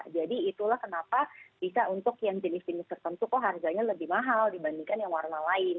jadi itulah kenapa bisa untuk yang jenis jenis tertentu kok harganya lebih mahal dibandingkan yang warna lain